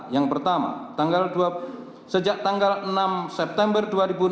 yang pertama sejak tanggal enam september dua ribu enam belas